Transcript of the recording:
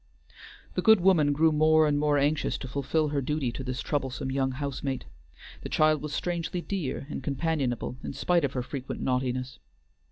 The good woman grew more and more anxious to fulfil her duty to this troublesome young housemate; the child was strangely dear and companionable in spite of her frequent naughtiness.